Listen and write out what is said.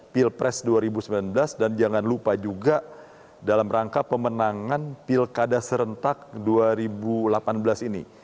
pilpres dua ribu sembilan belas dan jangan lupa juga dalam rangka pemenangan pilkada serentak dua ribu delapan belas ini